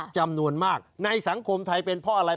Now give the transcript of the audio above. จำนวนมากในสังคมไทยเป็นเพราะอะไร